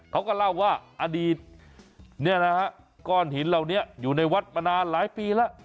เขาก็เล่าว่าอดีตก้อนหินเหล่านี้อยู่ในวัดมานานหลายปีแล้ว